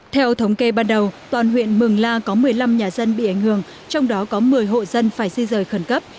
theo thống kê ban đầu toàn huyện mường la có một mươi năm nhà dân bị ảnh hưởng trong đó có một mươi hộ dân phải di rời khẩn cấp